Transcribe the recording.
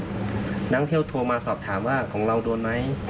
นักท่องเที่ยวโทรมาสอบถามว่าของเราโดนไหม